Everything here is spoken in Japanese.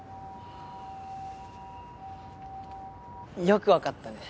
よく分かったね。